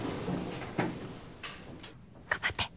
頑張って。